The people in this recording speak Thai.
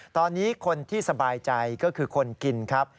ตอนนี้คนที่สบายใจก็คือคนกินครับ